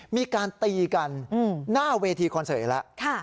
มีการตีกันหน้าเวทีคอนเสิร์ตแล้ว